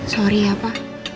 sorry ya pa